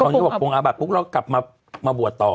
ตอนนี้บอกโปรงอาบัติเราก็กลับมาบวชต่อ